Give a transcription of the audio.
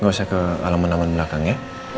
gak usah ke alaman alaman belakang ya